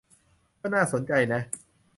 ก็น่าสนใจนะ